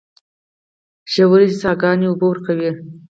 ژورې څاګانې اوبه ورکوي.